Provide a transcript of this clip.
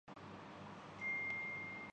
تمیم injury کا شکار ہو کر ایشیا کپ سے باہر